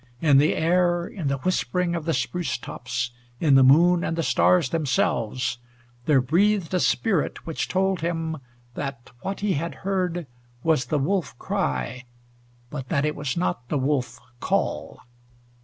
In the air, in the whispering of the spruce tops, in the moon and the stars themselves, there breathed a spirit which told him that what he had heard was the wolf cry, but that it was not the wolf call.